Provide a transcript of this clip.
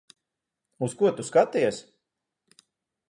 Uz ko tu skaties?